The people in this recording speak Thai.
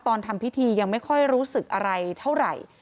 ทำพิธียังไม่ค่อยรู้สึกอะไรเท่าไหร่